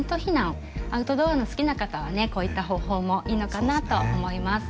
アウトドアの好きな方はねこういった方法もいいのかなと思います。